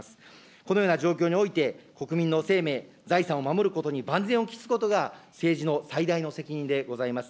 このような状況において、国民の生命、財産を守ることに万全を期すことが、政治の最大の責任でございます。